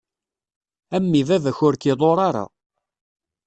A mmi baba-k ur k-iḍur ara.